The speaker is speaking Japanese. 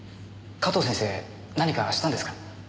加藤先生何かしたんですか？